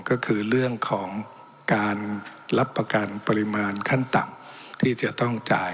ก็คือเรื่องของการรับประกันปริมาณขั้นต่ำที่จะต้องจ่าย